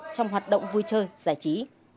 trong hoạt động vui chơi giải trí